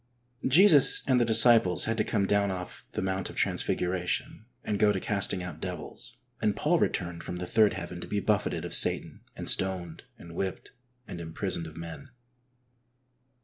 Jesus and the disciples had to come down off the Mount of Transfiguration and go to casting out devils, and Paul returned from the third heaven to be buffeted of Satan, and stoned, and whipped, and imprisoned of men.